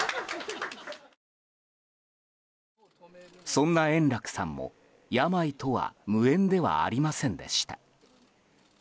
そんな円楽さんも、病とは無縁ではありませんでした。